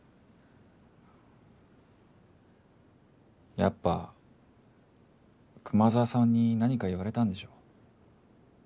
やっぱ熊沢さんに何か言われたんでしょ？